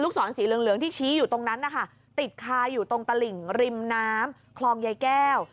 ลูกสอนสีเหลืองน้วที่ชี้อยู่ตรงนั้นติดใคร้อยู่ตรงตาลิงริมน้ำคลองใยแก้ว